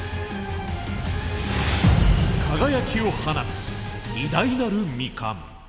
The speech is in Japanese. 輝きを放つ偉大なる未完。